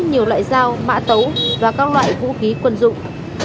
nhiều loại dao mã tấu và các loại vũ khí quân dụng